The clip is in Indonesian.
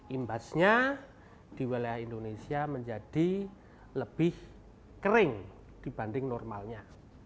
imbasnya di wilayah indonesia menjadi lebih kering dibanding normalnya